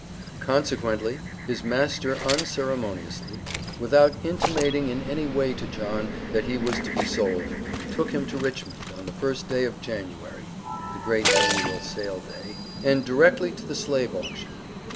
Consequently, his master unceremoniously, without intimating in any way to John, that he was to be sold, took him to Richmond, on the first day of January (the great annual sale day), and directly to the slave auction.